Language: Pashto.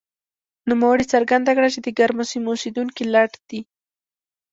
نوموړي څرګنده کړه چې د ګرمو سیمو اوسېدونکي لټ دي.